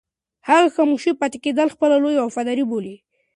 هغه خاموشه پاتې کېدل خپله لویه وفاداري بولي.